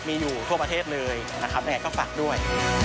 มีอยู่ทั่วประเทศเลยนะครับยังไงก็ฝากด้วย